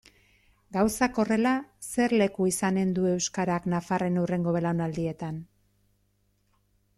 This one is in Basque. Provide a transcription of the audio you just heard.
Gauzak horrela, zer leku izanen du euskarak nafarren hurrengo belaunaldietan?